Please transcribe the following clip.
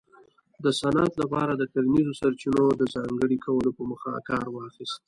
د صنعت لپاره د کرنیزو سرچینو د ځانګړي کولو په موخه کار واخیست